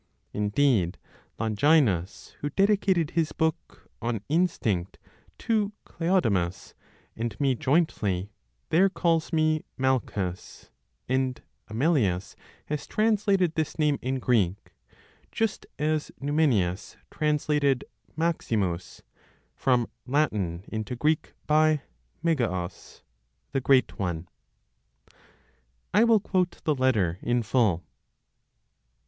Indeed, Longinus, who dedicated his book "On Instinct" to Cleodamus, and me jointly, there calls me "Malchus"; and Amelius has translated this name in Greek, just as Numenius translated "Maximus" (from Latin into Greek by) "Megaos" (the great one). (I will quote the letter in full).